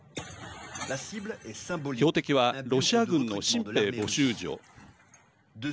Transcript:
標的は、ロシア軍の新兵募集所。